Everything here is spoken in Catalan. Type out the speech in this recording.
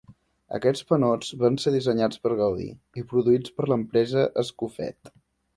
Aquests panots van ser dissenyats per Gaudí, i produïts per l'empresa Escofet.